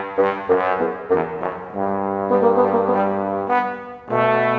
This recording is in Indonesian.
petunjuk saya tuh